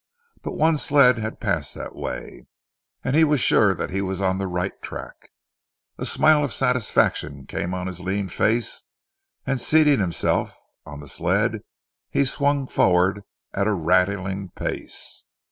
But one sled had passed that way, and he was sure that he was on the right track. A smile of satisfaction came on his lean face, and seating himself, on the sled he swung forward at a rattling pace.